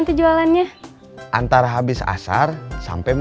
antara habis asar sampai minggu antara habis asar sampai minggu